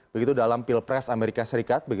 begitu dalam pilpres amerika serikat